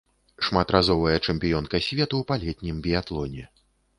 Шматразовая чэмпіёнка свету па летнім біятлоне.